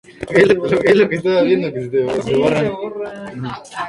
Tiene un sabor dulce y un color amarillo-dorado.